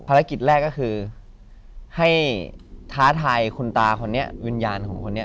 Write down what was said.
ภารกิจแรกก็คือให้ท้าทายคุณตาคนนี้วิญญาณของคนนี้